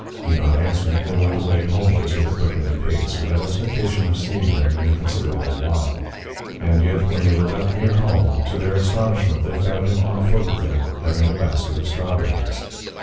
He not answering, they went away homewards, with a quickened pace, without expectation of seeing him in a considerable while; and yet when they were got near home, to their Astonishment, they found him on foot with them, having a Basket of Straw berries.